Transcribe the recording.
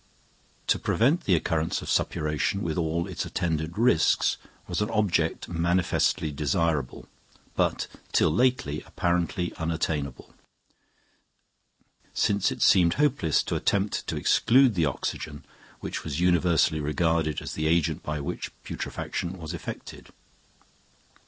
To prevent the occurrence of suppuration with all its attendant risks was an object manifestly desirable, but till lately apparently unattainable, since it seemed hopeless to attempt to exclude the oxygen which was universally regarded as the agent by which putrefaction was effected.